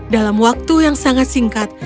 dalam waktu yang sangat singkat